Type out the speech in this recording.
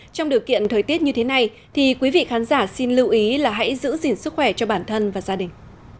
trong điều kiện thời tiết như thế này thì quý vị khán giả xin lưu ý là hãy giữ gìn sức khỏe cho bản thân và gia đình